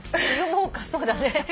読もうかそうだね。